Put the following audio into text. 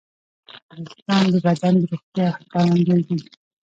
وېښتيان د بدن د روغتیا ښکارندوی دي.